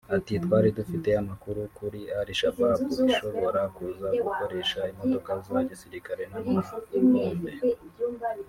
Ati “Twari dufite amakuru ko Al-Shabaab ishobora kuza gukoresha imodoka za gisirikare n’amabombe [